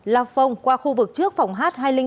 lao phông qua khu vực trước phòng h